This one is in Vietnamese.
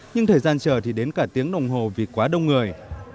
nhưng thời gian chờ thì đến cả tiếng đồng hồ vì quá đông người